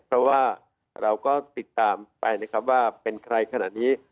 เพราะว่าเราก็ติดตามไปนะครับว่าเป็นใครขนาดนี้